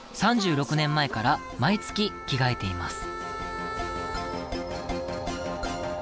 ３６年前から毎月、着替えています。